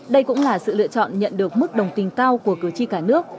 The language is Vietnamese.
đây cũng là sự lựa chọn nhận được mức đồng tình cao của cử tri cả nước